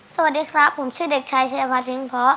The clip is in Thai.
สวัสดีครับผมชื่อเด็กชายชื่ออภัทริงพอ